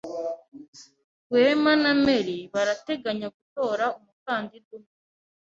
Rwema na Mary barateganya gutora umukandida umwe.